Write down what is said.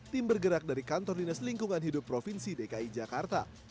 tim bergerak dari kantor dinas lingkungan hidup provinsi dki jakarta